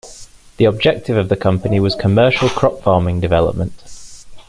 The objective of the company was commercial crop farming development.